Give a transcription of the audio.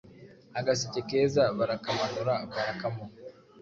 agaseke keza barakamanura barakamuha